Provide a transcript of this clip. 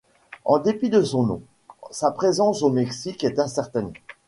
En dépit de son nom, sa présence au Mexique est incertaine.